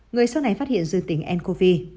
người sau này phát hiện dương tính ncov